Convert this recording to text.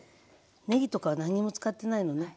ねぎとか何にも使ってないのね。